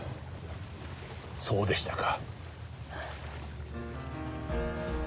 そうでしたか。